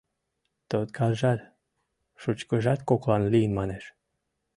Туткаржат, шучкыжат коклан лийын манеш.